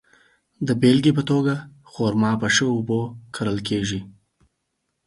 د بېلګې په توګه، خرما په ښه اوبو سره کرل کیږي.